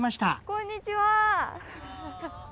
こんにちは。